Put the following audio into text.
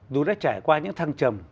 dù đã trải qua những thăng trầm